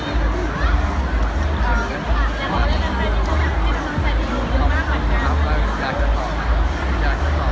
ที่พวกเขาสัมพันธ์ก่อนกันไมคะว่าผ้าผักหลังกันไทยได้เล่ากันแล้ว